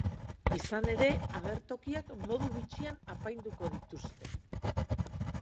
Izan ere, agertokiak modu bitxian apainduko dituzte.